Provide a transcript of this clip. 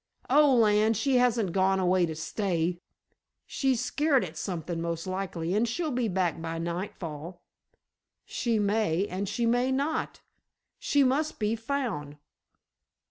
"Oh, land, she hasn't gone away to stay. She's scart at something most likely, and she'll be back by nightfall." "She may and she may not. She must be found.